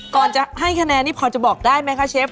ก่อนจะให้คะแนนนี่พอจะบอกได้ไหมคะเชฟ